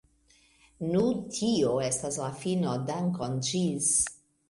Nu tio estas la fino, dankon ĝis.